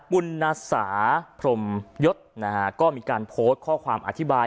ปุณสาพรมยศนะฮะก็มีการโพสต์ข้อความอธิบาย